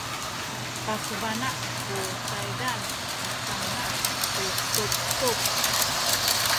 pasubana’ ku saydan misanga’ tu tubtub